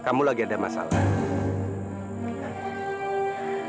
kamu lagi ada masalah